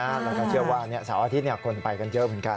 แล้วก็เชื่อว่าเสาร์อาทิตย์คนไปกันเยอะเหมือนกัน